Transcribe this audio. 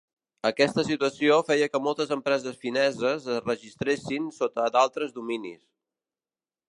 Aquesta situació feia que moltes empreses fineses es registressin sota d'altres dominis.